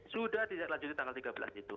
sudah dilanjuti tanggal tiga belas itu